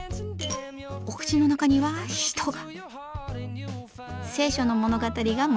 お口の中には人が。